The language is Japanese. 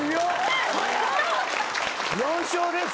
４笑です。